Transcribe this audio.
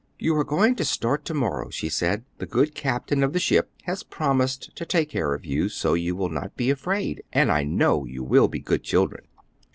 "You are going to start to morrow," she said. "The good captain of the ship has promised to take care of you, so you will not be afraid, and I know you will be good children."